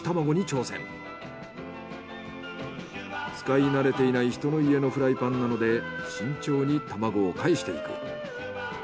使い慣れていない人の家のフライパンなので慎重に卵をかえしていく。